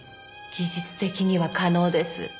技術的には可能です。